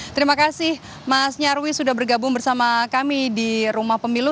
terima kasih mas nyarwi sudah bergabung bersama kami di rumah pemilu